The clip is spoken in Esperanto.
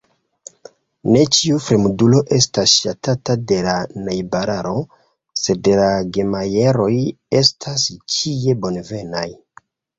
Ne ĉiu fremdulo estas ŝatata de la najbararo, sed la Gemajeroj estas ĉie bonvenaj.